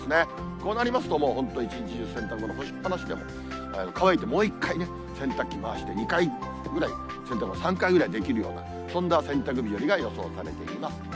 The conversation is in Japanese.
こうなりますと、もう本当一日中、洗濯物干しっ放しでも、乾いてもう一回ね、洗濯機回して２回ぐらい、洗濯物３回ぐらいできるような、そんな洗濯日和が予想されています。